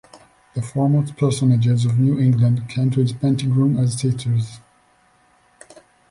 The foremost personages of New England came to his painting-room as sitters.